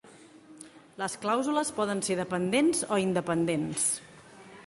Les clàusules poden ser dependents o independents.